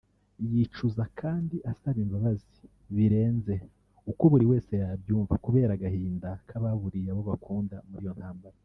yicuza kandi asaba imbabazi birenze uko buri wese yabyumva kubera agahinda k’ababuriye abo bakunda muri iyo ntambara